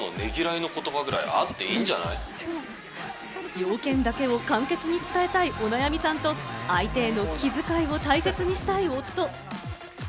要件だけを簡潔に伝えたいお悩みさんと相手への気遣いを大切にしたい夫。